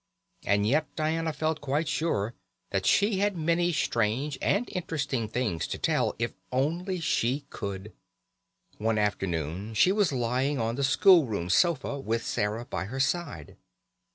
And yet Diana felt quite sure that she had many strange and interesting things to tell, if she only could. One afternoon she was lying on the school room sofa with Sarah by her side.